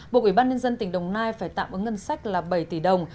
bộ quỹ ban nhân dân tỉnh đồng nai phải tạm ứng ngân sách là bảy tỷ đồng